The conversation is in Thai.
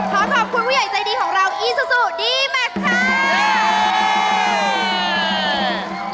ขอขอบคุณผู้ใหญ่ใจดีของเราอีซูซูดีแม็กซ์ค่ะ